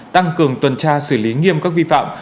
tăng cường tuần tra xử lý nghiêm các vi phạm